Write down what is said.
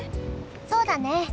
そうだね。